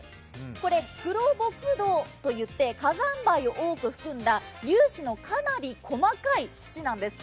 これ、黒ボク土といって火山灰を多く含んだ、粒子のかなり細かい土なんです。